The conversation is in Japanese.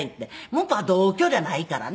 向こうは同居じゃないからね。